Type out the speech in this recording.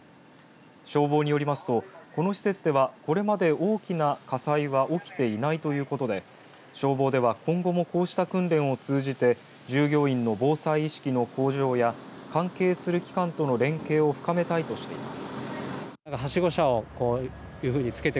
消防によりますとこの施設ではこれまで大きな火災は起きていないということで消防では、今後もこうした訓練を通じて従業員の防災意識の向上や関係する機関との連携を深めたいとしています。